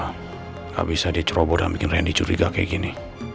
gak bisa dia ceroboh dan bikin reni curiga kayak gini